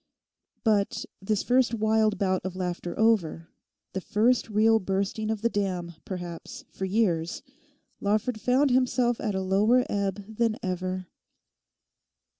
But this first wild bout of laughter over, the first real bursting of the dam, perhaps, for years, Lawford found himself at a lower ebb than ever.